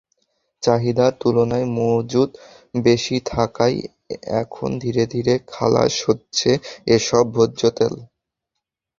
চাহিদার তুলনায় মজুত বেশি থাকায় এখন ধীরে ধীরে খালাস হচ্ছে এসব ভোজ্যতেল।